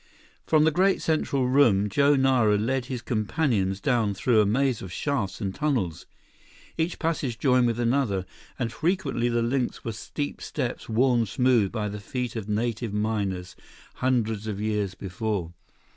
From the great central room, Joe Nara led his companions down through a maze of shafts and tunnels. Each passage joined with another, and frequently the links were steep steps worn smooth by the feet of native miners, hundreds of years before.